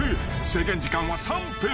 ［制限時間は３分］